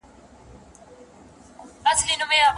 که په ځمکه کي تخم ونه کرې نو حاصل به ترلاسه نه کړې.